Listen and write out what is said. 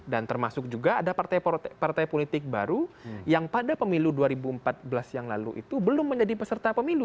dan termasuk juga ada partai politik baru yang pada pemilu dua ribu empat belas yang lalu itu belum menjadi peserta pemilu